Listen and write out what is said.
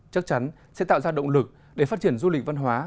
chắc chắn sẽ tạo ra động lực để phát triển du lịch văn hóa